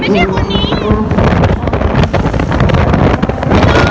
เมื่อเกิดขึ้นมันกลายเป้าหมายเป้าหมายเป้าหมาย